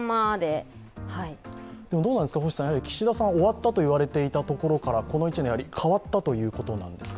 岸田さん、終わったと言われていたところからこの１年変わったということなんですか？